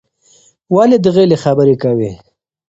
ولې د غېلې خبرې کوې؟